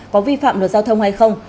có vi phạm luật giao thông hay không